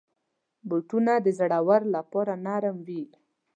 بوټونه د زړو لپاره نرم وي.